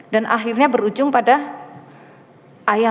dan akhirnya berujung pada ayah saudaranya